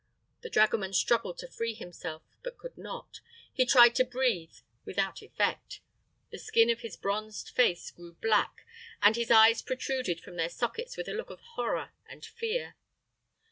The dragoman struggled to free himself, but could not. He tried to breathe, without effect. The skin of his bronzed face grew black, and his eyes protruded from their sockets with a look of horror and fear.